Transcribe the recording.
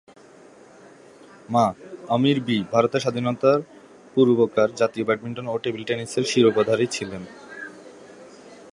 মা ‘আমির বি’ ভারতের স্বাধীনতার পূর্বেকার জাতীয় ব্যাডমিন্টন ও টেবিল টেনিসের শিরোপাধারী ছিলেন।